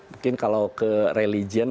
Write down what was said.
mungkin kalau ke religion